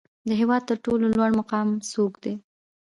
د هیواد تر ټولو لوړ مقام څوک دی؟